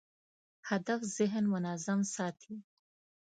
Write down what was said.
هدف ذهن منظم ساتي.